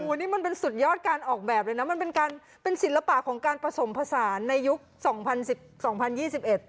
นี่มันเป็นสุดยอดการออกแบบเลยนะมันเป็นการเป็นศิลปะของการผสมผสานในยุคสองพันสิบสองพันยี่สิบเอ็ด